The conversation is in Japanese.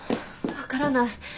分からない。